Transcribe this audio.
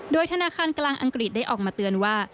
โดยธนาคารกลางอังกฤษได้ออกมาเตือนว่า